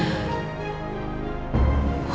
dan mereka akan menyerah